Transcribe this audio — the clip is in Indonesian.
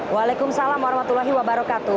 waalaikumsalam warahmatullahi wabarakatuh